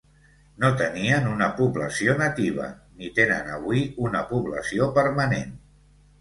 No tenien una població nativa, ni tenen avui una població permanent.